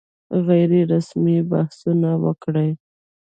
غیر رسمي بحثونه وکړي.